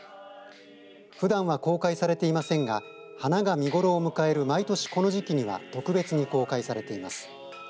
ふだんは公開されていませんが花が見頃を迎える毎年この時期には特別に公開されています。